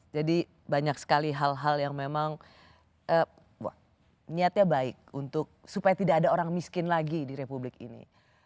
jadi banyak sekali hal hal yang memang niatnya baik untuk supaya tidak ada orang miskin lagi di republik ini